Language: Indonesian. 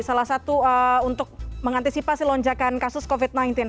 salah satu untuk mengantisipasi lonjakan kasus covid sembilan belas